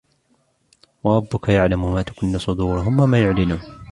وربك يعلم ما تكن صدورهم وما يعلنون